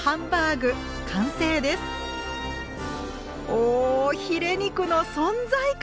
おおヒレ肉の存在感！